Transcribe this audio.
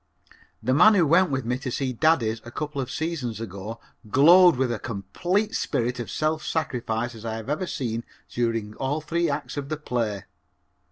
The man who went with me to see Daddies a couple of seasons ago glowed with as complete a spirit of self sacrifice as I have ever seen during all three acts of the play.